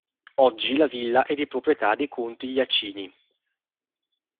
Oggi la villa è di proprietà dei Conti Jacini.